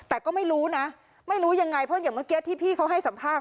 แต่ก็ไม่รู้นะไม่รู้ยังไงเพราะอย่างเมื่อกี้ที่พี่เขาให้สัมภาษณ